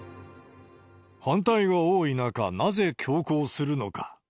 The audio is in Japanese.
反対が多い中、なぜ強行するのか。